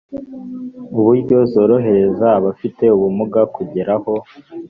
buryo zorohereza abafite ubumuga kugera aho